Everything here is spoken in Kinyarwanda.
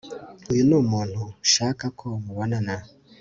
uyu numuntu nshaka ko mubonana